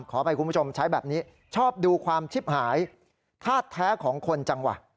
ขออภัยคุณผู้ชมใช้แบบนี้ชอบดูความชิบหายทาสแท้ของคนจังหวะ